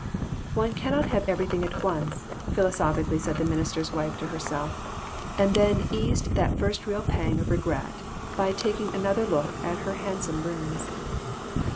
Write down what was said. "One cannot have everything at once," philo sophically said the minister's wife to herself, and then eased that first real pang of regret by tak ing another look at her handsome rooms.